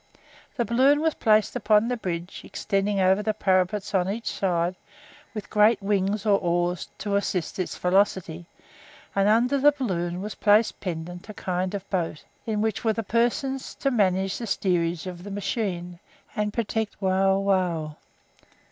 The balloon was placed upon the bridge, extending over the parapets on each side, with great wings or oars to assist its velocity, and under the balloon was placed pendant a kind of boat, in which were the persons to manage the steerage of the machine, and protect Wauwau.